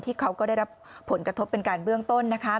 เขาก็ได้รับผลกระทบเป็นการเบื้องต้นนะคะ